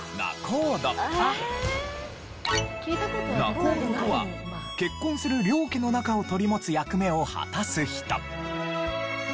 仲人とは結婚する両家の仲を取り持つ役目を果たす人。